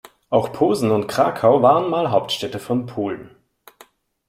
Auch Posen und Krakau waren mal Hauptstädte von Polen.